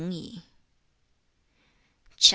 CHAP.